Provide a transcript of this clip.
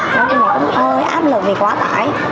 thì mình cũng hơi áp lực vì quá tải